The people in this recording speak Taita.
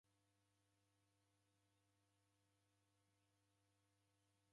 Wocha, ukasinda ituku jhimweri